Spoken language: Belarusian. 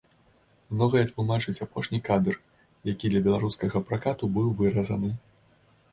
Многае тлумачыць апошні кадр, які для беларускага пракату быў выразаны.